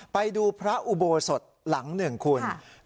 ไปดูพระอุโบสถหลังหนึ่งคุณ